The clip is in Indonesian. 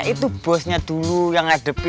itu bosnya dulu yang ngadepi